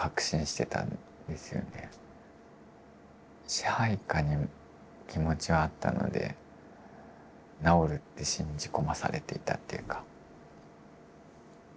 支配下に気持ちはあったので治るって信じ込まされていたっていうか。